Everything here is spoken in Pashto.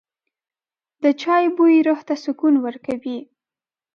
د چای بوی روح ته سکون ورکوي.